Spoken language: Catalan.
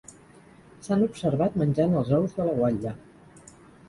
S'han observat menjant els ous de la guatlla.